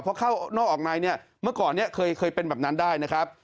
เพราะเข้านอกออกในเมื่อก่อนเคยเป็นแบบนั้นได้นะครับ